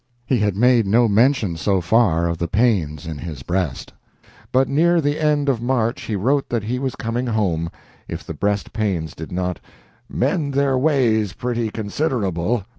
He had made no mention so far of the pains in his breast, but near the end of March he wrote that he was coming home, if the breast pains did not "mend their ways pretty considerable.